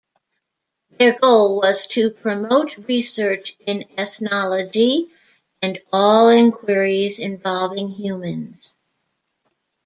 Their goal was to promote research in ethnology and all inquiries involving humans.